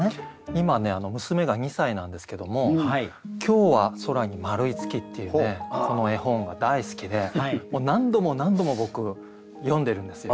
今ね娘が２歳なんですけども「きょうはそらにまるいつき」っていうこの絵本が大好きでもう何度も何度も僕読んでるんですよ。